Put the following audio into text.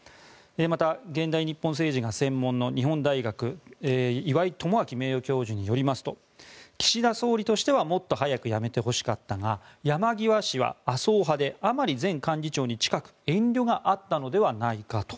また、現代日本政治が専門の日本大学岩井奉信名誉教授によりますと岸田総理としてはもっと早く辞めてほしかったが山際氏は麻生派で甘利前幹事長に近く遠慮があったのではないかと。